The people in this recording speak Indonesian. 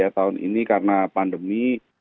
tahun ini karena pandemi